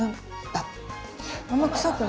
あっ。